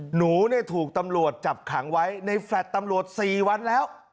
หนูถูกตำรวจจับขังไว้ในแฟลต์ตำรวจ๔วันแล้ว